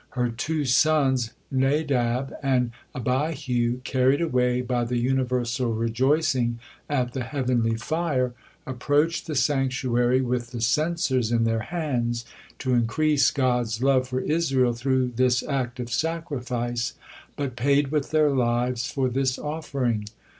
Her two sons, Nadab and Abihu, carried away by the universal rejoicing at the heavenly fire, approached the sanctuary with the censers in their hands, to increase God's love for Israel through this act of sacrifice, but paid with their lives for this offering.